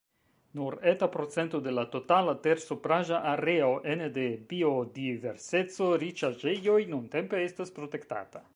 Nur eta procento de la totala tersupraĵa areo ene de biodiverseco-riĉaĵejoj nuntempe estas protektata.